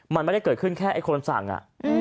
มันไม่ได้เกิดขึ้นแค่ไอ้คนสั่งอ่ะ